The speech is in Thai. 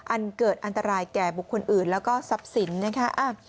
อันเกิดอันตรายแก่บุคคลอื่นแล้วก็ทรัพย์สินนะคะ